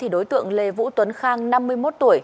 đối tượng lê vũ tuấn khang năm mươi một tuổi